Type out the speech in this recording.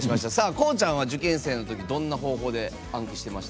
こうちゃんは受験生のときどんな方法で暗記してました？